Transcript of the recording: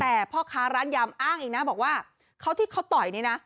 แต่พ่อค้าร้านยำอ้างอีกนะบอกว่าเขาที่เขาต่อยนี่นะ